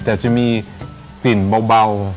แต่จะมีกลิ่นเบา